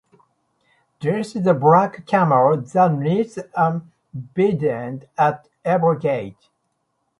Death is a black camel that kneels unbidden at every gate.